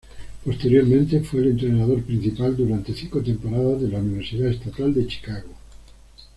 Posteriormente fue el entrenador principal durante cinco temporadas de la Universidad Estatal de Chicago.